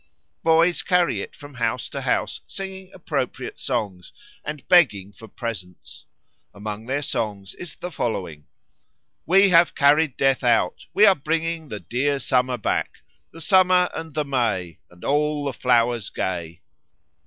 Boys carry it from house to house singing appropriate songs and begging for presents. Among their songs is the following: "We have carried Death out, We are bringing the dear Summer back, The Summer and the May And all the flowers gay."